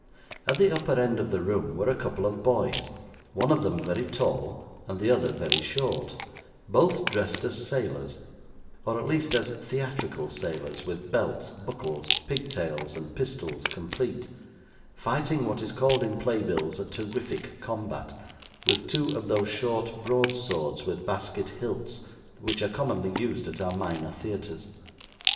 At the upper end of the room, were a couple of boys, one of them very tall and the other very short, both dressed as sailors or at least as theatrical sailors, with belts, buckles, pigtails, and pistols complete fighting what is called in play bills a terrific combat, with two of those short broad swords with basket hilts which are commonly used at our minor theatres.